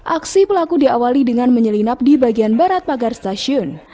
aksi pelaku diawali dengan menyelinap di bagian barat pagar stasiun